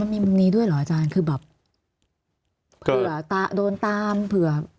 มีมุมนี้ด้วยเหรออาจารย์คือแบบเผื่อตาโดนตามเผื่อ